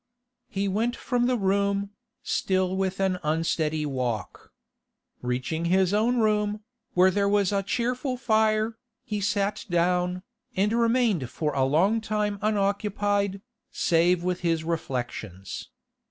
He went from the room, still with an unsteady walk. Reaching his own room, where there was a cheerful fire, he sat down, and remained for a long time unoccupied, save with his reflections.